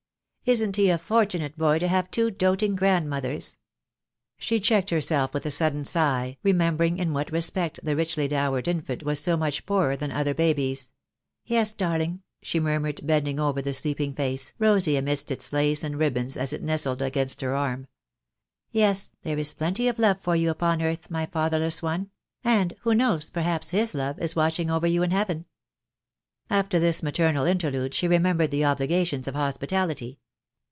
Isn't he a fortunate boy to have two doating grandmothers?" She checked herself with a sudden sigh, remembering in what respect the richly dowered infant was so much poorer than other babies. "Yes, darling," she murmured, bend ing over the sleeping face, rosy amidst its lace and rib bons as it nestled against her arm. "Yes, there is plenty of love for you upon earth, my fatherless one; and, who knows, perhaps his love is watching over you in heaven." After this maternal interlude she remembered the obligations of hospitality.